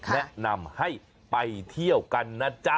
แนะนำให้ไปเที่ยวกันนะจ๊ะ